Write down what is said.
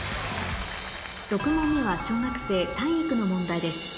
６問目は小学生体育の問題です